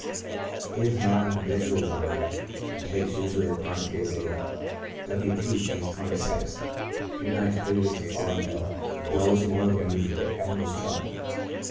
He is not an habitual drunkard, and takes usually a pint of beer daily. W. P —, (Case 26,) two nights previous to falling ill, indulged more than usual, and was drunk.